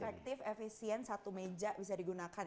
efektif efisien satu meja bisa digunakan